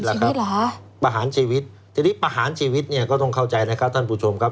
ประหารชีวิตทีนี้ประหารชีวิตเนี่ยก็ต้องเข้าใจนะครับท่านผู้ชมครับ